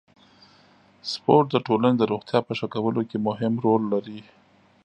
سپورت د ټولنې د روغتیا په ښه کولو کې مهم رول لري.